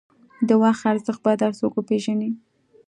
د وخت ارزښت باید هر څوک وپېژني.